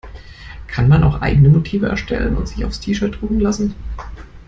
Kann man auch eigene Motive erstellen und sich aufs T-shirt drucken lassen?